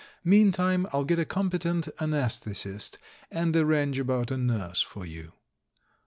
Meantime, I'll get a competent anaesthet ist, and arrange about a nurse for you."